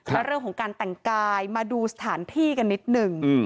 และเรื่องของการแต่งกายมาดูสถานที่กันนิดหนึ่ง